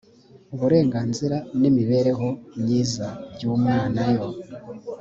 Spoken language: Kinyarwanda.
uburenganzira n imibereho myiza by umwana yo